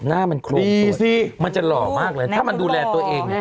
หน้ามันโครงสดมันจะหล่อมากเลยถ้ามันดูแลตัวเองนะจริง